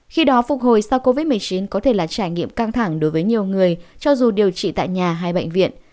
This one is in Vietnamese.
khi đó phục hồi sau covid một mươi chín có thể là trải nghiệm căng thẳng đối với nhiều người cho dù điều trị tại nhà hay bệnh viện